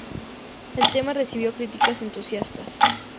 El tema recibió críticas entusiastas.